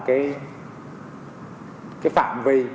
cái phạm vi